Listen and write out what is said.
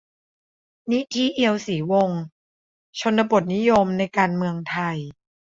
นิธิ เอียวศรีวงศ์ : ชนบทนิยมในการเมืองไทย